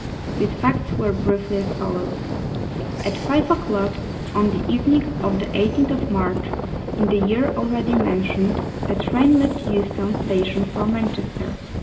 These facts were briefly as follows: At five o'clock on the evening of the 18th of March in the year already mentioned a train left Euston Station for Manchester.